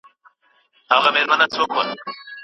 پي پي پي د مور ځان پوهېدنه اغېزمنوي.